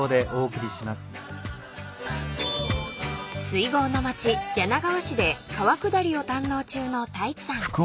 ［水郷の町柳川市で川下りを堪能中の太一さん］